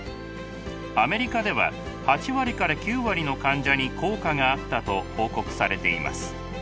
アメリカでは８割から９割の患者に効果があったと報告されています。